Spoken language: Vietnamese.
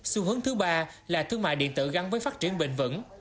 xu hướng thứ ba là thương mại điện tử gắn với phát triển bền vững